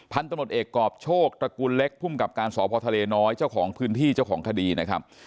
พันธนตรศเอกกรอบโชคตระกุลเล็กผู้กรรมการสพนนเจ้าของพื้นที่เจ้าของคดีนะครับ